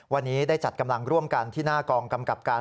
วันนี้ได้จัดกำลังร่วมกันที่หน้ากองกำกับการ